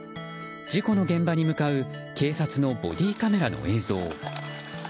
事故の現場に向かう警察のボディーカメラの映像。